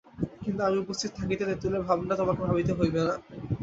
কিন্তু আমি উপস্থিত থাকিতে তেঁতুলের ভাবনা তোমাকে ভাবিতে হইবে না।